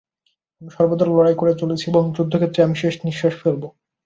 আমি সর্বদা লড়াই করে চলেছি এবং যুদ্ধক্ষেত্রেই আমি শেষনিঃশ্বাস ফেলব।